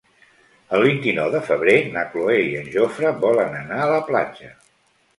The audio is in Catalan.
El vint-i-nou de febrer na Cloè i en Jofre volen anar a la platja.